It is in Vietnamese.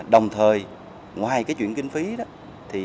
đồng thời ngoài chuyện kinh phí